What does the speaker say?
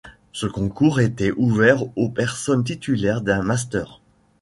Ce concours était ouvert aux personnes titulaires d'un master.